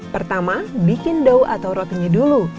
pertama bikin dow atau rotinya dulu